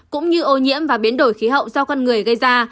cũng như ô nhiễm và biến đổi khí hậu do con người gây ra